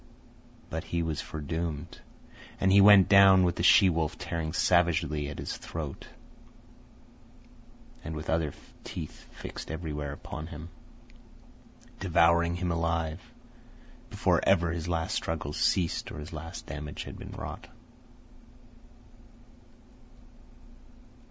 But he was foredoomed, and he went down with the she wolf tearing savagely at his throat, and with other teeth fixed everywhere upon him, devouring him alive, before ever his last struggles ceased or his last damage had been wrought.